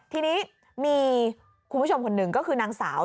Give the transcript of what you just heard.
ทีนี้มีคุณผู้ชมคนหนึ่งก็คือนางสาว